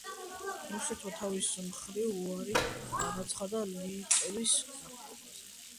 რუსეთმა თავის მხრივ უარი განაცხადა ლიტვის დაპყრობაზე.